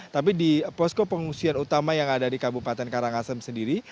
tapi di posko pengungsian utama yang ada di kabupaten karangasem sendiri